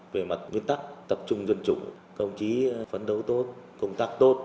về mặt nguyên tắc tập trung dân chủ công chí phấn đấu tốt công tác tốt